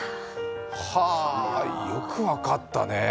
は、よく分かったね。